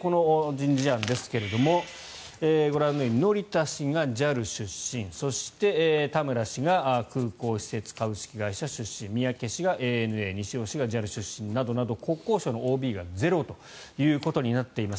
この人事案ですがご覧のように乗田氏がＪＡＬ出身そして田村氏が空港施設株式会社出身三宅氏がＡＮＡ西尾氏がＪＡＬ出身など国交省のＯＢがゼロということになっています。